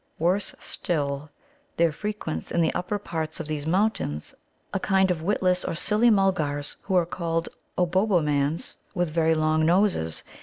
Worse still, there frequents in the upper parts of these mountains a kind of witless or silly Mulgars, who are called Obobbomans, with very long noses.